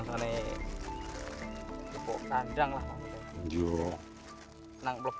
ini harus dikonsumsi oleh rakyat